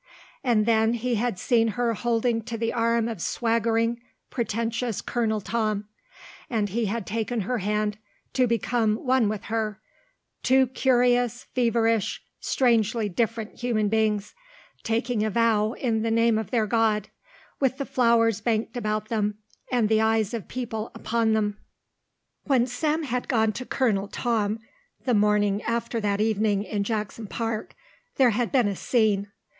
And then he had seen her holding to the arm of swaggering, pretentious Colonel Tom and he had taken her hand to become one with her, two curious, feverish, strangely different human beings, taking a vow in the name of their God, with the flowers banked about them and the eyes of people upon them. When Sam had gone to Colonel Tom the morning after that evening in Jackson Park, there had been a scene.